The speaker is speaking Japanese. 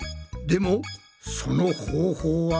でもその方法は？